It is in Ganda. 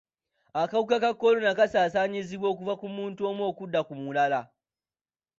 Akawuka ka kolona kasaasaanyizibwa okuva ku muntu omu okudda ku mulala.